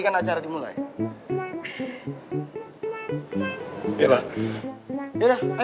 pas apalah berantakan